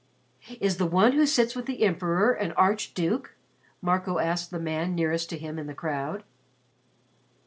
"Is the one who sits with the Emperor an Archduke?" Marco asked the man nearest to him in the crowd.